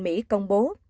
mỹ công bố